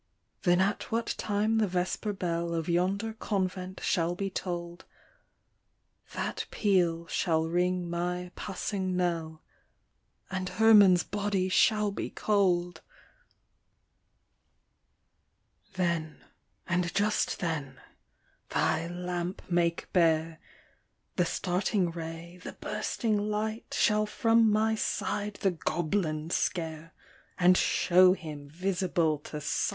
" Then at what time the vesper bell Of yonder convent shall be toll'd, That peal shall ring my passing knell, And Herman's body shall be cold !" Then, and just then, thy lamp make bare* The starting ray, the bursting light, Shall from my side the goblin scare, And shew him visible to sight!"